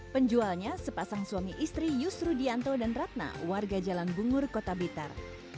penjualnya sepasang suami istri yusrudianto dan ratna warga jalan bungur kota blitar